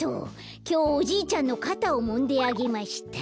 きょう「おじいちゃんのかたをもんであげました」。